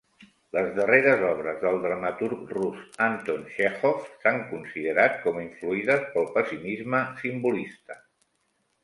Les darreres obres del dramaturg rus Anton Txékhov s'han considerat com influïdes pel pessimisme simbolista.